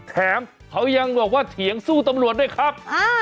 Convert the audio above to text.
แถมเขายังบอกว่าเถียงสู้ตำรวจด้วยครับ